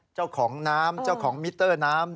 เจ้าของน้ำเจ้าของมิเตอร์น้ำ